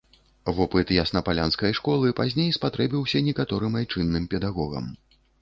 Вопыт яснапалянскай школы пазней спатрэбіўся некаторым айчынным педагогам.